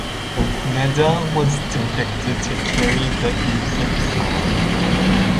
Neda was depicted to carry the infant god.